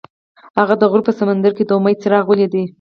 هغه د غروب په سمندر کې د امید څراغ ولید.